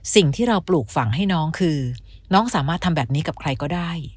สิ่งที่เราปลูกฝังให้น้องคือน้องสามารถทำแบบนี้กับใครก็ได้